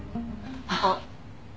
あっ！